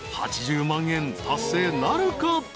８０万円達成なるか？］